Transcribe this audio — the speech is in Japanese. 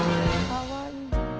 かわいい。